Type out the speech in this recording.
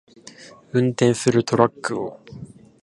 運転するトラックを